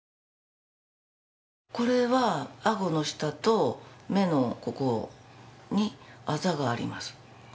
これはあごの下と目のここにあざがあります。